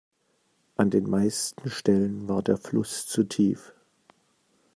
An den meisten Stellen war der Fluss zu tief.